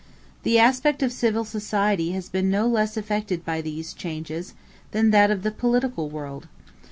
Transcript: The aspect of civil society has been no less affected by these changes than that of the political world.